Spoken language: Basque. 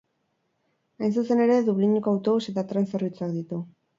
Hain zuzen ere Dublineko autobus eta tren zerbitzuak ditu.